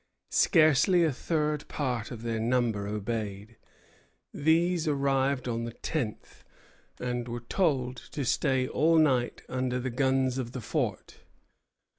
Scarcely a third part of their number obeyed. These arrived on the tenth, and were told to stay all night under the guns of the fort.